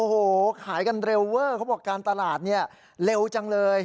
โหขายกันเร็วเวอะเค้าบอกเป็นการตลาดเนี่ยเร็วจังเลย